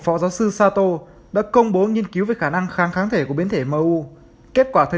phó giáo sư sato đã công bố nghiên cứu về khả năng kháng kháng thể của biến thể mou kết quả thời